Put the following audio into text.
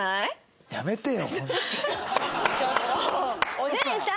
お姉さん！